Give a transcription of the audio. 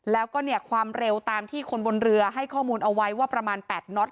แล้วก็เนี่ยความเร็วตามที่คนบนเรือให้ข้อมูลเอาไว้ว่าประมาณ๘น็อต